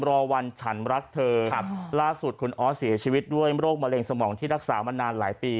รอวันฉันรักเธอครับล่าสุดคุณออสเสียชีวิตด้วยโรคมะเร็งสมองที่รักษามานานหลายปี